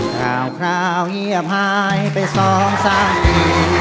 ข่าวคราวเงียบหายไปสองสามที